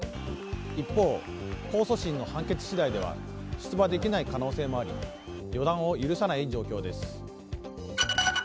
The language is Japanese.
一方、控訴審の判決次第では出馬できない可能性もあり予断を許さない状況です。